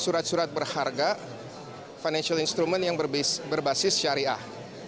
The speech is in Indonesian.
surat surat berharga financial instrument yang berbasis syariah